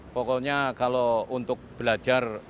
pokoknya kalau untuk belajar